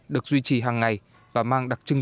được duy trì hàng ngày và mang đặc trưng